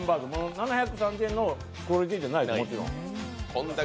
７３０円のクオリティーじゃないです、もちろん。